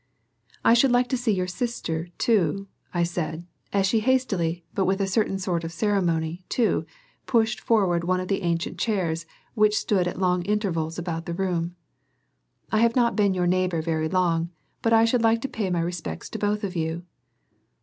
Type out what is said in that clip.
"I should like to see your sister, too," I said, as she hastily, but with a certain sort of ceremony, too, pushed forward one of the ancient chairs which stood at long intervals about the room. "I have not been your neighbor very long, but I should like to pay my respects to both of you."